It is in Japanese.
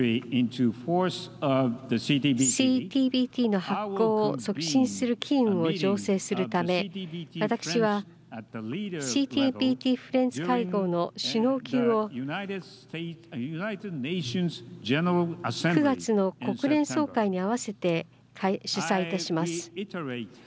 ＣＴＢＴの発効を作成する機運を上昇させるため私はＣＴＢＴフレンズ会合の首脳級を９月の国連総会に合わせて主催いたします。